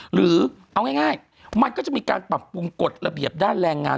หรือเอาง่ายมันก็จะมีการปรับปรุงกฎระเบียบด้านแรงงาน